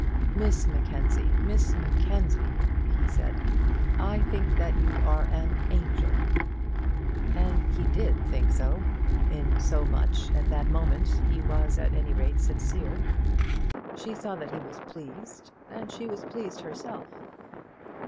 "Miss Mackenzie, Miss Mackenzie," he said, "I think that you are an angel!" And he did think so. In so much at that moment he was at any rate sincere. She saw that he was pleased, and she was pleased herself.